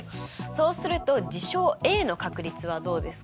そうすると事象Ａの確率はどうですか？